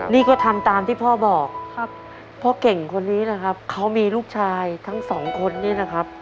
นี่ก็ทำตามที่พ่อบอกครับพ่อเก่งคนนี้นะครับเขามีลูกชายทั้งสองคนนี้นะครับ